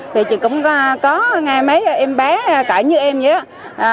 thì chị cũng có nghe mấy em bán cãi như em vậy á